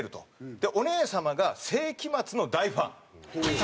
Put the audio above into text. でお姉様が聖飢魔Ⅱの大ファン。